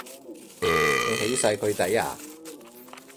你起晒佢底呀？